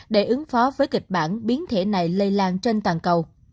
để ứng phó với kịch bản biến thể này lây lan trên toàn cầu